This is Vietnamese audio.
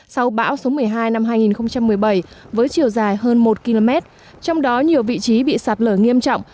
sau bão số một mươi hai năm hai nghìn một mươi bảy với chiều dài hơn một km trong đó nhiều vị trí bị sạt lở nghiêm trọng